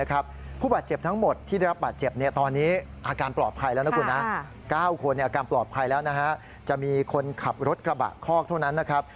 ขับรถกระบะคอกเท่านั้นนะครับ